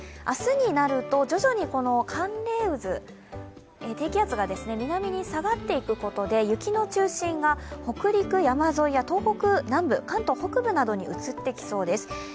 明日になると徐々にこの寒冷渦、低気圧が南に下がっていくことで雪の中心が北陸山沿いや東北南部、関東北部などに移ってきそうです。